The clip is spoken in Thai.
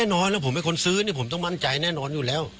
เพราะแน่นอนผมเป็นคนซื้อผมต้องมันใจอยู่แล้ว